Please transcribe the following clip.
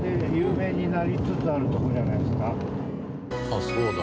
あっそうだ。